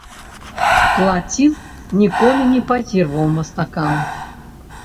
Плацін ніколі не пазіраваў мастакам.